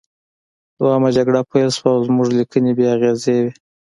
دویمه جګړه پیل شوه او زموږ لیکنې بې اغیزې وې